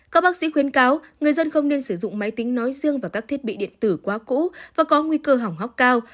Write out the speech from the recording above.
các bác sĩ khuyến cáo người dân không nên sử dụng máy tính nói riêng và các thiết bị điện tử quá cũ và có nguy cơ hỏng hóc cao